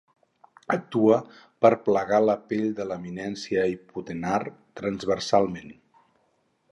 Actua per plegar la pell de l'eminència hipotenar transversalment.